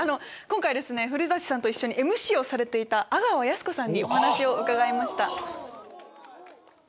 古さんと一緒にＭＣをされてた阿川泰子さんにお話を伺いました。